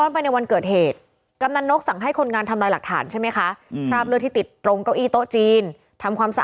บูลจะส่งสินทรัพย์ไปหลังเมื่อแรงการหลับบ้าน